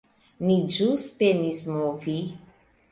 Ni ĵus penis movi